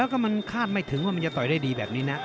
แล้วก็มันคาดไม่ถึงว่ามันจะต่อยได้ดีแบบนี้นะ